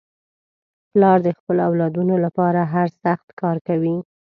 پلار د خپلو اولادنو لپاره هر سخت کار کوي.